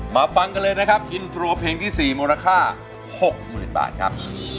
มาฟังกันเลยนะครับที่สี่มูลค่าหกหมื่นบาทครับ